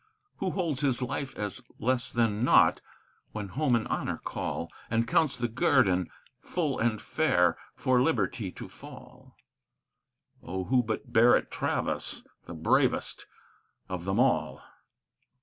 Who holds his life as less than naught when home and honor call, And counts the guerdon full and fair for liberty to fall? Oh, who but Barrett Travis, the bravest of them all!